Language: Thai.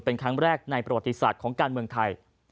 เป็นครั้งแรกในประวัติศาสตร์ของการเมืองไทย